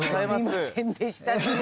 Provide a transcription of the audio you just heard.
すいませんでした。